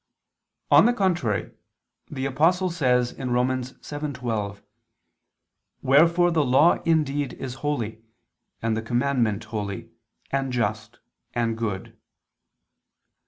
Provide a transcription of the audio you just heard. On the contrary, The Apostle says (Rom. 7:12): "Wherefore the law indeed is holy, and the commandment holy, and just, and good."